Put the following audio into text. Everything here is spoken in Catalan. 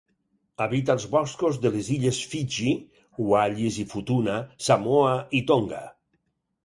Habita els boscos de les illes Fiji, Wallis i Futuna, Samoa i Tonga.